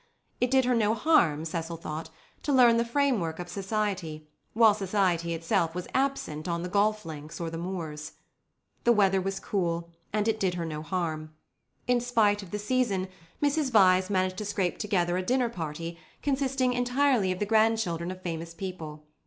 It did her no harm, Cecil thought, to learn the framework of society, while society itself was absent on the golf links or the moors. The weather was cool, and it did her no harm. In spite of the season, Mrs. Vyse managed to scrape together a dinner party consisting entirely of the grandchildren of famous people.